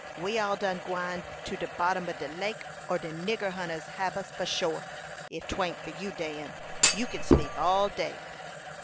We all done gwine to de bottom ob de lake, or de nigger hunters hab us for shore, if 'twan't for you, Dan. You kin sleep all day."